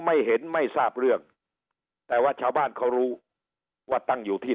ไม่เห็นไม่ทราบเรื่องแต่ว่าชาวบ้านเขารู้ว่าตั้งอยู่ที่